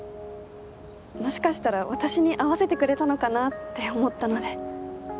もしかしたら私に合わせてくれたのかなって思ったので。